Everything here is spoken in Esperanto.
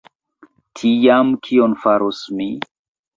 Tiam, kion faros mi?